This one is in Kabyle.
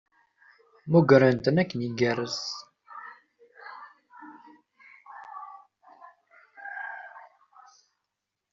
Mmugren-ten akken igerrez.